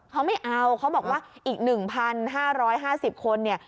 เขาไม่เอาเขาบอกว่าอีก๑๕๕๐คนเนี่ย